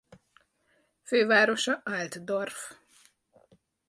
Fővárosa Altdorf.